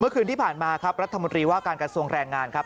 คืนที่ผ่านมาครับรัฐมนตรีว่าการกระทรวงแรงงานครับ